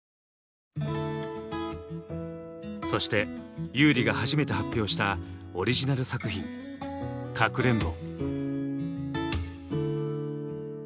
そして優里が初めて発表したオリジナル作品「かくれんぼ」。